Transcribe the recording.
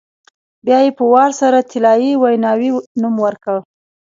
بیا یې په وار سره طلایي ویناوی نوم ورکړ.